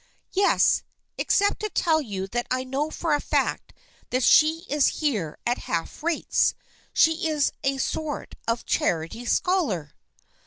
" Yes, except to tell you that I know for a fact that she is here at half rates. She is a sort of a charity scholar."